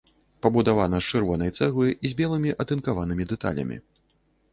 Пабудавана з чырвонай цэглы з белымі атынкаванымі дэталямі.